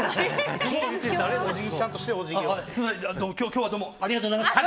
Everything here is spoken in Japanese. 今日はどうもありがとうございます！